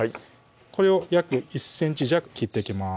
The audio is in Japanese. これを約１ｃｍ弱切っていきます